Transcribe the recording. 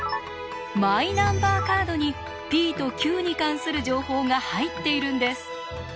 マイナンバーカードにｐとｑに関する情報が入っているんです。